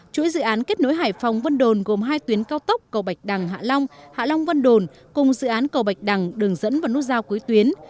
chuỗi dự án kết nối hải phòng vân đồn gồm hai tuyến cao tốc cầu bạch đằng hạ long hạ long vân đồn cùng dự án cầu bạch đằng đường dẫn vào nút giao cuối tuyến